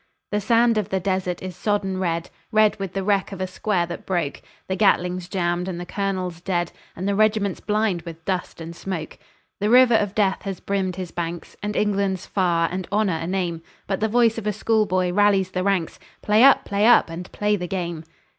The sand of the desert is sodden red, Red with the wreck of a square that broke; The Gatling's jammed and the colonel dead, And the regiment blind with dust and smoke. The river of death has brimmed his banks, And England's far, and Honour a name, But the voice of schoolboy rallies the ranks, "Play up! play up! and play the game!"